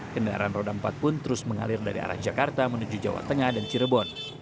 kendaraan roda empat pun terus mengalir dari arah jakarta menuju jawa tengah dan cirebon